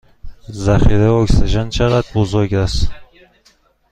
ذخیره اکسیژن چه قدر بزرگ است؟